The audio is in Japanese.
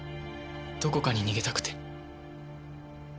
どこかに逃げたくて。